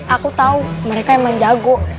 aku tahu mereka emang jago